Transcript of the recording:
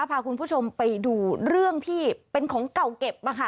พาคุณผู้ชมไปดูเรื่องที่เป็นของเก่าเก็บมาค่ะ